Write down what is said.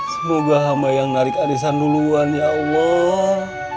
semoga hama yang narik arisan duluan ya allah